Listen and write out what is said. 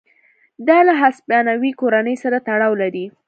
دا له هسپانوي کورنۍ سره تړاو لري.